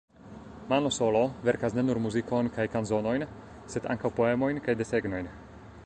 Mano Solo verkas ne nur muzikon kaj kanzonojn sed ankaŭ poemojn kaj desegnojn.